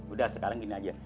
udah sekarang gini aja